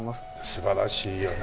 素晴らしいよね。